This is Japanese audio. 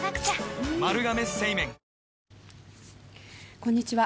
こんにちは。